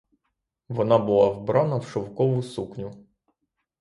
Вона була вбрана в шовкову сукню.